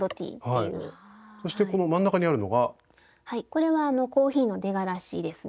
これはコーヒーの出がらしですね。